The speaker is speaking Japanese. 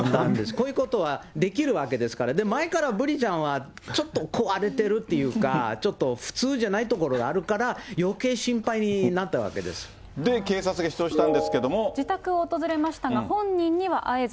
こういうことはできるわけですから、前からブリちゃんは、ちょっと壊れてるっていうか、ちょっと普通じゃないところがあるから、警察が出動したんですけれど自宅を訪れましたが、本人には会えず。